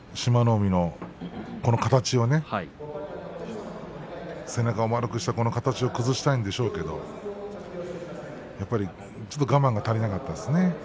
海のこの形を背中を丸くしたこの形を崩したいんでしょうけれどもやっぱり我慢が足りなかったですね。